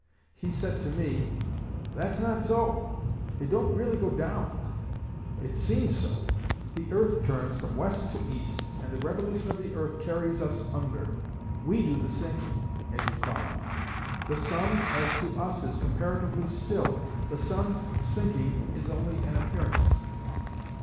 He said to me, 'That's not so; it don't really go down; it seems so. The earth turns from west to east and the revolution of the earth carries us under; we do the sinking, as you call it. The sun, as to us, is comparatively still; the sun's sinking is only an appearance.'